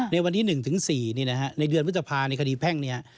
ในวันที่๑ถึง๔ในเดือนพฤษภาในคดีแพ่งเนี่ย